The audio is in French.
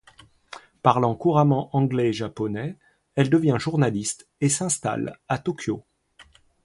Parlant couramment anglais et japonais, elle devient journaliste et s'installe à Tokyo.